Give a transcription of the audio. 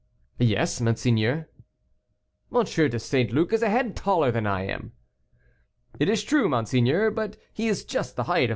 "Yes, monseigneur." "M. de St. Luc is a head taller then I am." "It is true, monseigneur; but he is just the height of M.